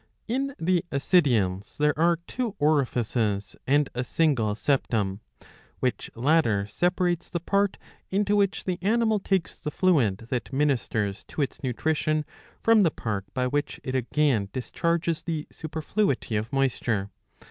^^ In the Ascidians there are two orifices and a single septum, which latter separates the part into which the animal takes the fluid that ministers to its nutrition from the part by which it again discharges the superfluity of moisture.